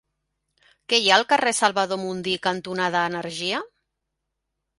Què hi ha al carrer Salvador Mundí cantonada Energia?